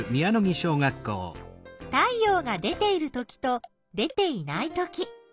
太陽が出ているときと出ていないとき。